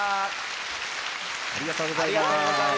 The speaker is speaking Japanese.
ありがとうございます。